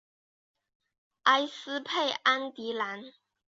埃斯佩安迪兰。